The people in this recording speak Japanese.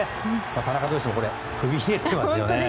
田中投手も首ひねってますよね。